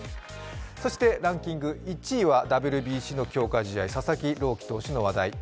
そしてランキング１位はＷＢＣの強化試合、佐々木朗希投手の話題。